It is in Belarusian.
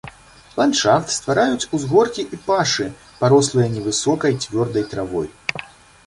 Ландшафт ствараюць узгоркі і пашы, парослыя невысокай цвёрдай травой.